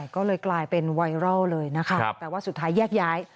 ก็เลยกลายเป็นไวรัลเลยนะคะแต่ว่าสุดท้ายแยกย้าย